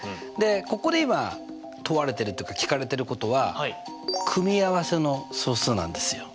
ここで今問われてる聞かれてることは組合せの総数なんですよ。